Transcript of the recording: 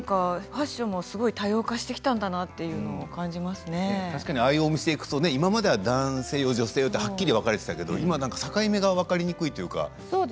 ファッションも多様化してきたんだなというのを確かにああいう店に行くと今までは男性用、女性用とはっきり分かれていたけど境目が分かりにくいというか。